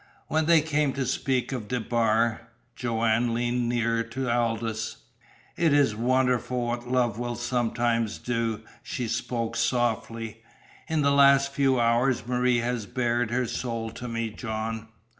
When they came to speak of DeBar, Joanne leaned nearer to Aldous. "It is wonderful what love will sometimes do," she spoke softly. "In the last few hours Marie has bared her soul to me, John.